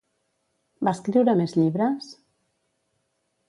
Va escriure més llibres?